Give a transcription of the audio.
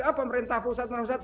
apa pemerintah pusat pemerintah pusat